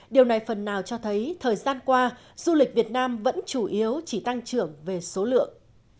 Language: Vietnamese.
điều này phần nào cho thấy thời gian qua du lịch việt nam vẫn chủ yếu chỉ tăng trưởng về số lượng